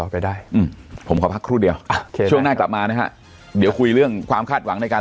เปิดปากกับภาคภูมิ